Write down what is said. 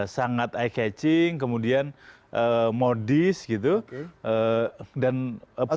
sangat eye catching kemudian modis gitu dan publik